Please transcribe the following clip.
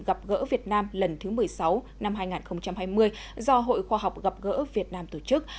gặp gỡ việt nam lần thứ một mươi sáu năm hai nghìn hai mươi do hội khoa học gặp gỡ việt nam tổ chức